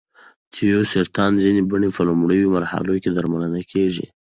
د تیو سرطان ځینې بڼې په لومړیو مرحلو کې درملنه کېږي.